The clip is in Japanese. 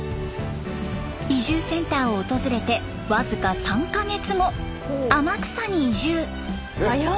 移住センターを訪れて僅か３か月後天草に移住。